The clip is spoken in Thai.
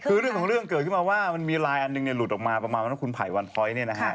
คือเรื่องของเรื่องเกิดขึ้นมาว่ามันมีไลน์อันหนึ่งหลุดออกมาประมาณว่าคุณไผ่วันพ้อยเนี่ยนะฮะ